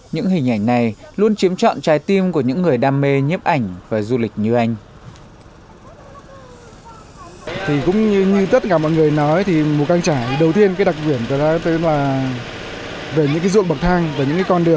những hình ảnh này luôn chiếm trọn trái tim của những người đam mê nhiếp ảnh và du lịch như anh